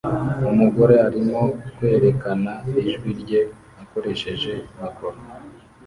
Umugore arimo kwerekana ijwi rye akoresheje mikoro